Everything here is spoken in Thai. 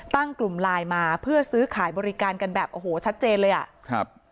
กลุ่มไลน์มาเพื่อซื้อขายบริการกันแบบโอ้โหชัดเจนเลยอ่ะครับ